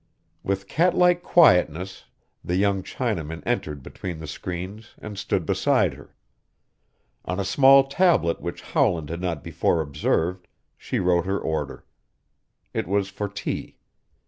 With cat like quietness the young Chinaman entered between the screens and stood beside her. On a small tablet which Howland had not before observed she wrote her order. It was for tea.